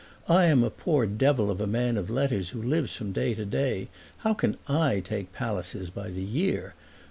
I am a poor devil of a man of letters who lives from day to day. How can I take palaces by the year?